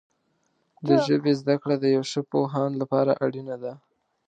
د ژبې زده کړه د یو ښه پوهاند لپاره اړینه ده.